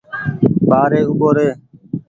ٻآري اوٻو ري۔